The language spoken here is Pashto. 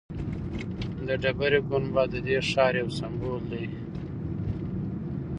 د ډبرې ګنبد ددې ښار یو سمبول دی.